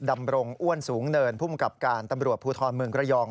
ดำรงอ้วนสูงเนินภูมิกับการตำรวจภูทรเมืองระยอง